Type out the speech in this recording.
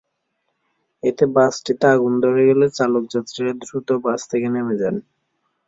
এতে বাসটিতে আগুন ধরে গেলে চালক-যাত্রীরা দ্রুত বাস থেকে নেমে যান।